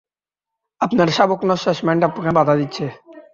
আপনার subconscious mind আপনাকে বাধা দিচ্ছে!